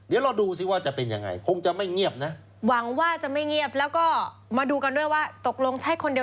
อีกครั้งของทางอายการสูงสุด